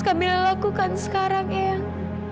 kamila lakukan sekarang eyang